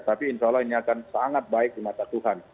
tapi insya allah ini akan sangat baik di mata tuhan